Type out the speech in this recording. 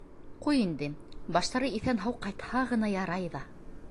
— Ҡуй инде, баштары иҫән-һау ҡайтһа ғына ярай ҙа.